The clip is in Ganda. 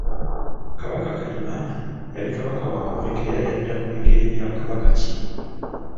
Kabaka Kayima yali Kabaka waakumeka era yadda mu bigere bya Kabaka ki?